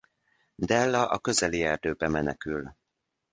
Della a közeli erdőbe menekül.